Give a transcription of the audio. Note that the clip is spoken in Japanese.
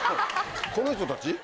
この人たち？